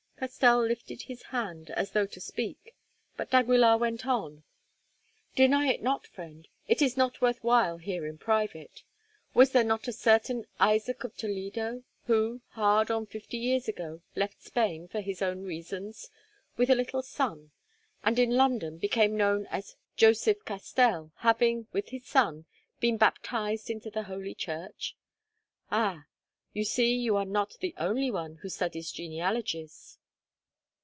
Castell lifted his hand as though to speak; but d'Aguilar went on: "Deny it not, friend; it is not worth while here in private. Was there not a certain Isaac of Toledo who, hard on fifty years ago, left Spain, for his own reasons, with a little son, and in London became known as Joseph Castell, having, with his son, been baptized into the Holy Church? Ah! you see you are not the only one who studies genealogies."